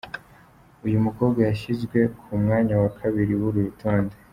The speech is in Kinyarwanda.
Uyu mukobwa yashyizwe ku mwanya wa kabiri w’uru rutonde.